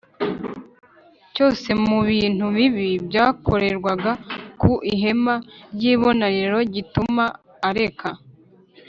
cyose mu bintu bibi byakorerwaga ku ihema ry ibonaniro gituma areka